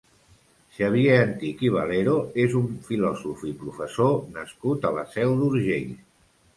Xavier Antich i Valero és un filòsof i professor nascut a la Seu d'Urgell.